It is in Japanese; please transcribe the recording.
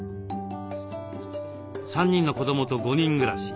３人の子どもと５人暮らし。